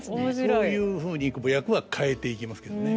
そういうふうに役は変えていきますけどね